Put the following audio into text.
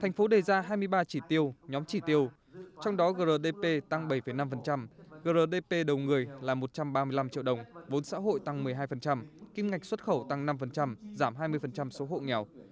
thành phố đề ra hai mươi ba chỉ tiêu nhóm chỉ tiêu trong đó grdp tăng bảy năm grdp đầu người là một trăm ba mươi năm triệu đồng vốn xã hội tăng một mươi hai kim ngạch xuất khẩu tăng năm giảm hai mươi số hộ nghèo